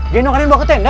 gendong arim bawa ke tenda